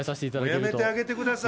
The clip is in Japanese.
やめてあげてください、